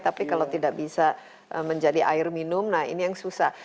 tapi kalau tidak bisa menjadi air minum nah ini yang susah